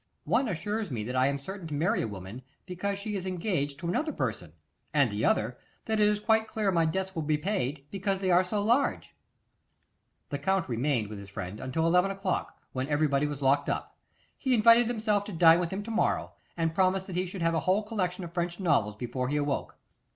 One assures me that I am certain to marry a woman because she is engaged to another person, and the other, that it is quite clear my debts will be paid because they are so large! The Count remained with his friend until eleven o'clock, when everybody was locked up. He invited himself to dine with him to morrow, and promised that he should have a whole collection of French novels before he awoke.